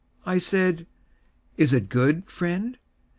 I said, "Is it good, friend?"